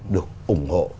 được ủng hộ